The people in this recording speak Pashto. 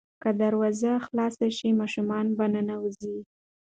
که دروازه خلاصه شي ماشوم به ننوځي.